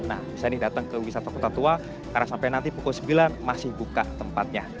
nah bisa nih datang ke wisata kota tua karena sampai nanti pukul sembilan masih buka tempatnya